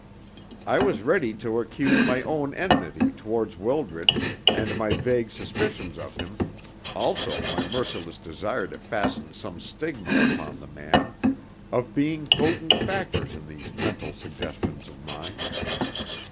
I was ready to accuse my own enmity towards Wildred, and my vague suspicions of him, also my merciless desire to fasten some stigma upon the man, of being potent factors in these mental suggestions of mine.